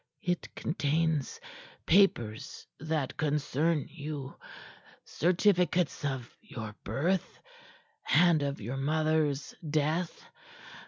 "It contains papers that concern you certificates of your birth and of your mothers death.